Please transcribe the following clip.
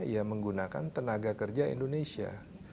ya menggunakan tenaga kerja indonesia